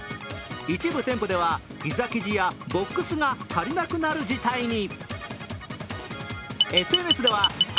一部店舗ではピザ生地やボックスが足りなくなる事態に。